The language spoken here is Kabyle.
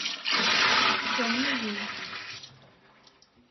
Ukren-iyi.